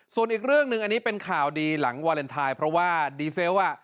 ส่วนอีกเรื่องหนึ่งอันนี้เป็นข่าวดีหลังวาเลนไทยเพราะว่าดีเซลลอ่ะ